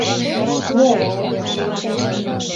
Не-ет!